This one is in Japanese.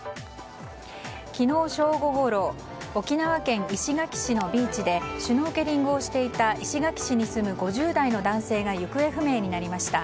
昨日正午ごろ沖縄県石垣市のビーチでシュノーケリングをしていた石垣市の５０代の男性が行方不明になりました。